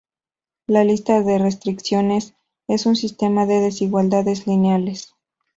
La lista de restricciones es un sistema de desigualdades lineales.